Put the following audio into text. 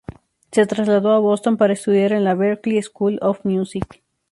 Se trasladó a Boston, para estudiar en la Berklee School of Music.